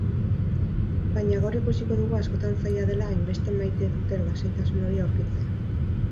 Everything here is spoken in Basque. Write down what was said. Baina gaur ikusiko dugu askotan zaila dela hainbeste maite duten lasaitasun hori aurkitzea.